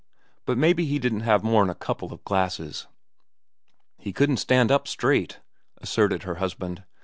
But mebbe he didn't have more'n a couple of glasses." "He couldn't stand up straight," asserted her husband.